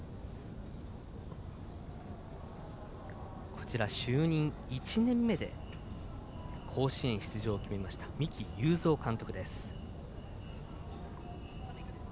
こちら、就任１年目で甲子園出場をとりました三木有造監督です。